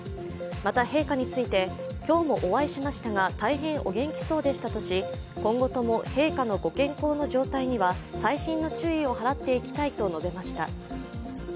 また、陛下について今日もお会いしましたが大変お元気そうでしたとし今後とも陛下のご健康の状態には細心の注意を払っていきたいとしました。